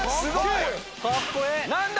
何だ⁉